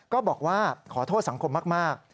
ก็บอกว่าขอโทษสังคมมาก